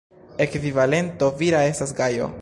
Ekvivalento vira estas Gajo.